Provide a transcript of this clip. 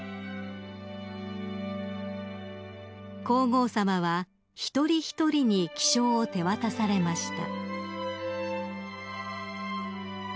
［皇后さまは一人一人に記章を手渡されました］